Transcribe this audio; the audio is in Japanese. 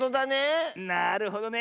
なるほどね。